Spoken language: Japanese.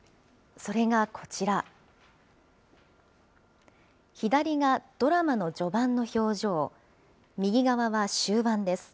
それがこちら、左がドラマの序盤の表情、右側は終盤です。